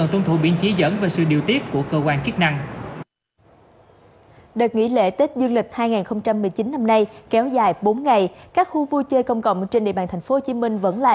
thưa quý vị tết đang đến gần